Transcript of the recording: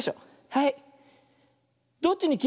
はい。